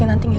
gue batin ya